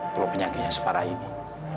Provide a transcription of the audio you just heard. kalau penyakitnya separah ini